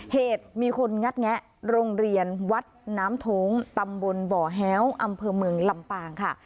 เหตุมีคนงัดแงะโรงเรียนวัดน้ำโท้งตำบลบ่อแฮ้วอำเภอเมืองลำปางค่ะ